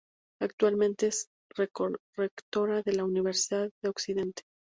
Actualmente es rectora de la Universidad de Occidente.